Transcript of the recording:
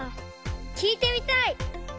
きいてみたい！